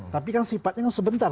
tapi kan sifatnya sebentar